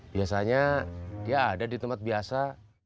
biasanya dia ada di tempat biasa